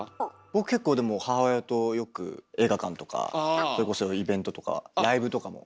僕結構でも母親とよく映画館とかそれこそイベントとかライブとかも。